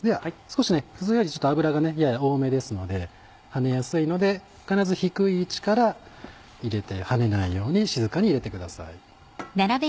少し普通より油がやや多めですので跳ねやすいので必ず低い位置から入れて跳ねないように静かに入れてください。